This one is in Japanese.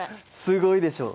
すごいでしょ？